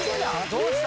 どうした？